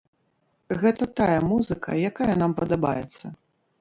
Гэта тая музыка, якая нам падабаецца.